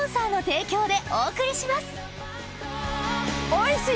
おいしい！